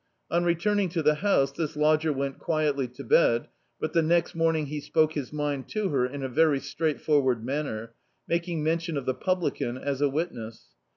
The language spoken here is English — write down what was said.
On returning to the house this lodger went quietly to bed, but the next morning he spoke his mind to her in a very strai^tforward manner, mak ing mention of the publican as a witness.